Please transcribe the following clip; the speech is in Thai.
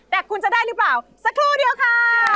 แต่คุณจะได้หรือเปล่าสักครู่เดียวค่ะ